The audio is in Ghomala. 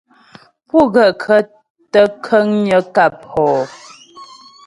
Pú gaə̂kə́ tə kə̀ŋgnə̀ ŋkâp hɔ ?